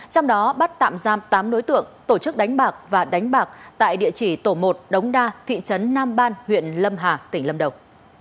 trong đó bắt tạm giam tám đối tượng tổ chức đánh bạc và đánh bạc tại địa chỉ tổ một đống đa thị trấn nam ban huyện lâm hà tỉnh lâm đồng